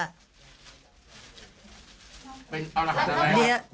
เป็นอาหารอะไรครับ